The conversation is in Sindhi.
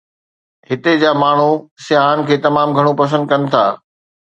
هتي جا ماڻهو سياحن کي تمام گهڻو پسند ڪن ٿا.